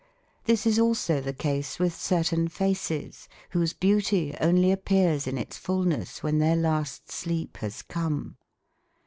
This is also the case with certain faces whose beauty only appears in its fulness when their last sleep has come.